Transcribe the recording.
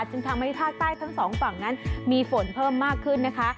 จึงทำให้ภาคใต้ทั้งสองฝั่งนั้นมีฝนเพิ่มมากขึ้นนะคะ